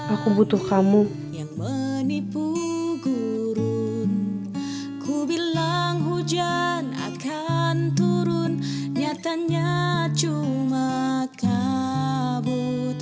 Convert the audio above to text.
aku butuh kamu